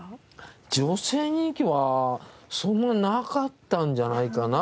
女性人気はそんななかったんじゃないかな？